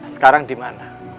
sekarang di mana